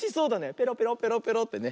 ペロペロペロペロってね。